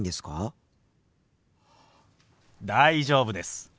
大丈夫です。